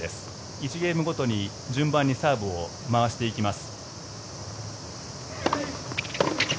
１ゲームごとに順番にサーブを回していきます。